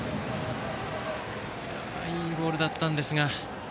いいボールだったんですが。